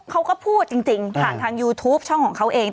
เขาก็พูดจริงผ่านทางยูทูปช่องของเขาเอง